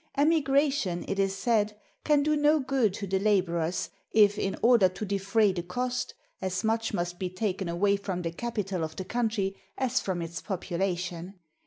Emigration, it is said, can do no good to the laborers, if, in order to defray the cost, as much must be taken away from the capital of the country as from its population.